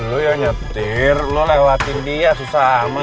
lo yang nyetir lo lewatin dia susah amat sih